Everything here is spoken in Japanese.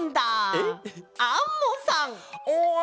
おっアンモさん！